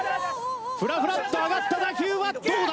フラフラっと上がった打球はどうだ？